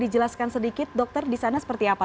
dijelaskan sedikit dokter di sana seperti apa